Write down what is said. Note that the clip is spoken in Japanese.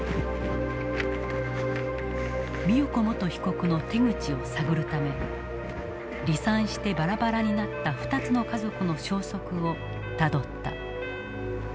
美代子元被告の手口を探るため離散してバラバラになった２つの家族の消息をたどった。